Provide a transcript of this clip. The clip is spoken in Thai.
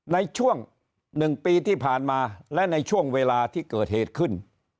ในช่วง๑ปีที่ผ่านมาและในช่วงเวลาที่เกิดเหตุขึ้น